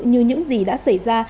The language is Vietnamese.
như những gì đã xảy ra